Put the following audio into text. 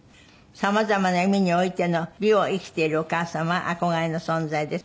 「さまざまな意味においての美を生きてるお母様憧れの存在です。